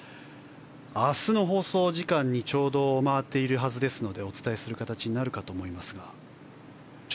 明日の放送時間にちょうど回っているはずですのでお伝えする形になるかと思います。